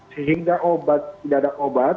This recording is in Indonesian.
sehingga tidak ada obat